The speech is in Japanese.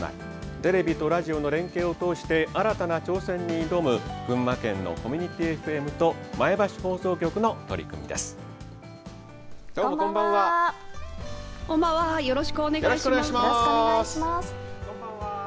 テレビとラジオの連携を通して新たな挑戦に挑む群馬県のコミュニティＦＭと前橋放送局の取り組みです。